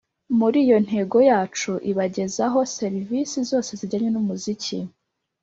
muri iyo ntego yacu, ibagezaho serivisi zose zijyanye n’umuziki